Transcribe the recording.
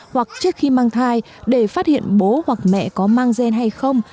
hoặc trước khi mang thai để phát hiện bố hoặc mẹ có mang gen hay không